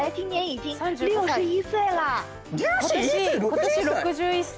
今年６１歳。